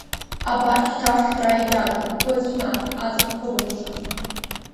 Абар шьҭа ашара егьагым, быцә, нан, аҵых ԥыбымҽын!